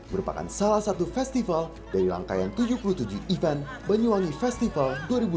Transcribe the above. merupakan salah satu festival dari rangkaian tujuh puluh tujuh event banyuwangi festival dua ribu dua puluh